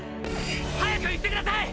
早く行ってください！